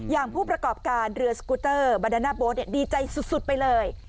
ผู้ประกอบการเรือสกูเตอร์บาดาน่าโบ๊ทดีใจสุดไปเลย